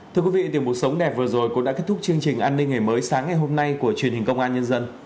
thưa quý vị tiềm mục sống đẹp vừa rồi cũng đã kết thúc chương trình an ninh ngày mới sáng ngày hôm nay của truyền hình công an nhân dân